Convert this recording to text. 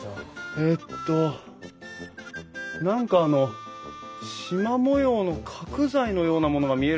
えっと何かあのしま模様の角材のようなものが見えるんですけども。